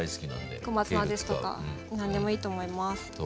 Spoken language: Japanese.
小松菜ですとか何でもいいと思います。